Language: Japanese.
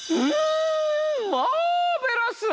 んマーベラス！